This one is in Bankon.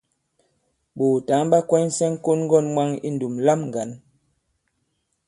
Ɓòòtǎŋ ɓa kwɛnysɛ ŋ̀kon-ŋgɔ̂n mwaŋ i ndùm lam ŋgǎn.